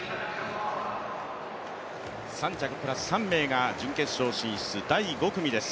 ３着プラス３名が準決勝進出、第５組です。